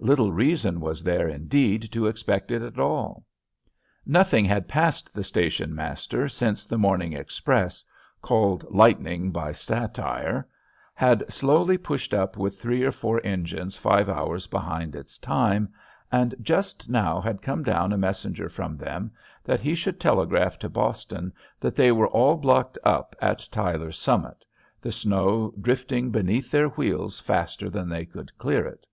Little reason was there, indeed, to expect it at all. Nothing had passed the station master since the morning express, called lightning by satire, had slowly pushed up with three or four engines five hours behind its time, and just now had come down a messenger from them that he should telegraph to Boston that they were all blocked up at Tyler's Summit, the snow drifting beneath their wheels faster than they could clear it.